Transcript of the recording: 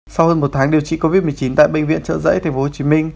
sau hơn một tháng điều trị covid một mươi chín tại bệnh viện trợ giấy tp hcm